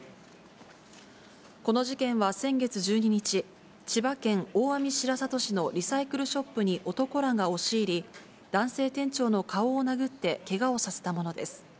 この事件は先月１２日、千葉県大網白里市のリサイクルショップに男らが押し入り、男性店長の顔を殴ってけがをさせたものです。